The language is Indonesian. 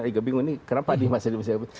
eike bingung nih kenapa di masjid masjid masjid